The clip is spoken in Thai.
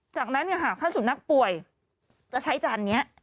จากนั้นหากถ้าสุนัขป่วยจะใช้จานนี้